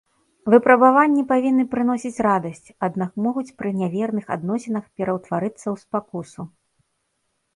Выпрабаванні павінны прыносіць радасць, аднак могуць пры няверных адносінах пераўтварыцца ў спакусу.